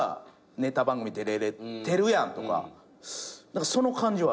ネタ番組出れれてるやんとかその感じはある。